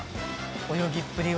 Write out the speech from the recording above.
泳ぎっぷりは。